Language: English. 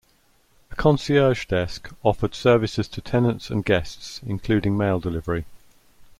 A concierge desk offered services to tenants and guests including mail delivery.